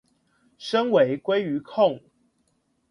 身為鮭魚控